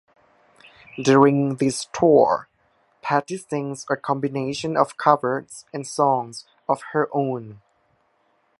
During this tour, Patti sings a combination of covers and songs of her own.